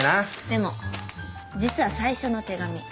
でも実は最初の手紙。